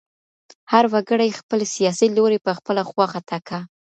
هر وګړي خپل سیاسي لوری په خپله خوښه ټاکه.